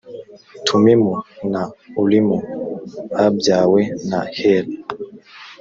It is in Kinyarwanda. tumimu na urimu babyawe na heli